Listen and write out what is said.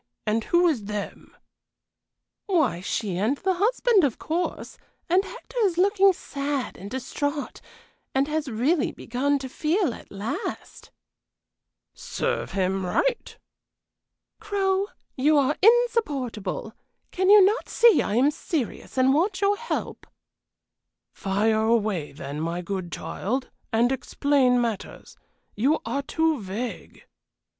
and who is 'them'?" "Why, she and the husband, of course, and Hector is looking sad and distrait and has really begun to feel at last." "Serve him right!" "Crow, you are insupportable! Can you not see I am serious and want your help?" "Fire away, then, my good child, and explain matters. You are too vague!"